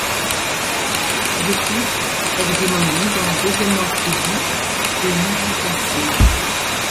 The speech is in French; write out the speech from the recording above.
Vétuste, elle est démolie dans la deuxième moitié du et non remplacée.